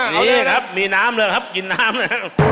นี่ครับมีน้ำแล้วครับกินน้ำแล้ว